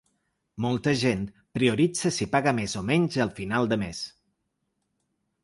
Molta gent prioritza si paga més o menys a final de mes.